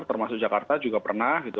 termasuk jakarta juga pernah